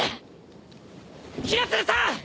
雛鶴さん！